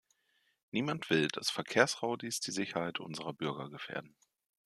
Niemand will, dass Verkehrsrowdies die Sicherheit unserer Bürger gefährden.